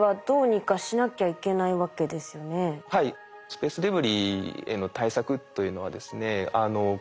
スペースデブリへの対策というのはですね